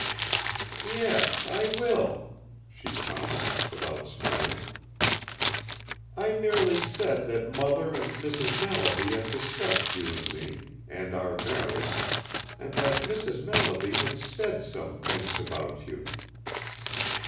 "Yes, I will," she promised, without smiling. "I merely said that mother and Mrs. Mallaby had discussed you and me, and our marriage, and that Mrs. Mallaby had said some things about you."